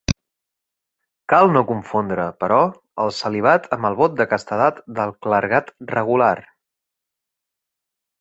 Cal no confondre, però, el celibat amb el vot de castedat del clergat regular.